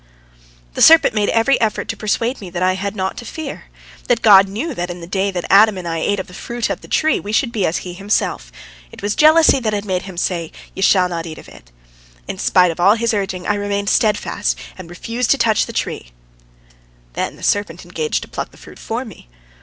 The serpent made every effort to persuade me that I had naught to fear—that God knew that in the day that Adam and I ate of the fruit of the tree, we should be as He Himself. It was jealousy that had made Him say, "Ye shall not eat of it." In spite of all his urging, I remained steadfast and refused to touch the tree. Then the serpent engaged to pluck the fruit for me.